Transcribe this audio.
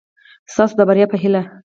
ستاسو د بري په هېله